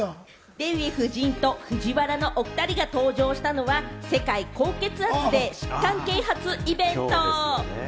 デヴィ夫人とＦＵＪＩＷＡＲＡのお２人が登場したのは世界高血圧デー、疾患啓発イベント。